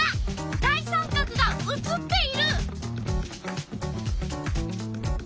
大三角が写っている！